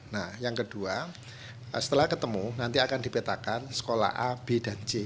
nah yang kedua setelah ketemu nanti akan dipetakan sekolah a b dan c